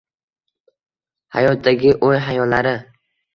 hayotdagi o’y-hayollari